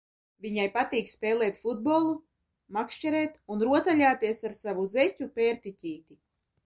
Viņai patīk spēlēt futbolu, makšķerēt un rotaļāties ar savu zeķu pērtiķīti!